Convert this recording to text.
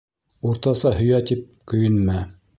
Уртаса һөйә тип, көйөнмә.